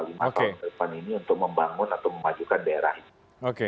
lima tahun ke depan ini untuk membangun atau memajukan daerah ini